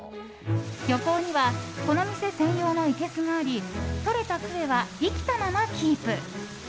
漁港にはこの店専用のいけすがありとれたクエは生きたままキープ。